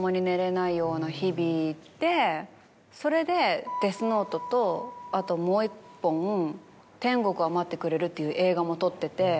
それで『デスノート』とあともう１本『天国は待ってくれる』っていう映画も撮ってて。